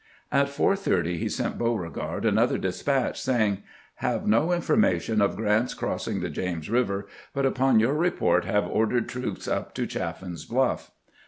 At 4 : 30 he sent Beauregard another despatch, saying: "Have no information of Grant's crossing the James Eiver, but upon your report have ordered troops up to Chaffin's Bluff."